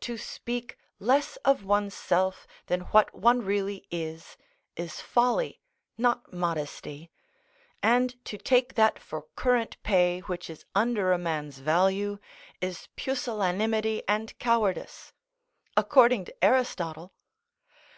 To speak less of one's self than what one really is is folly, not modesty; and to take that for current pay which is under a man's value is pusillanimity and cowardice, according to, Aristotle.